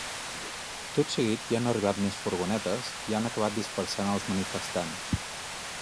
Tot seguit, hi han arribat més furgonetes i han acabat dispersant els manifestants.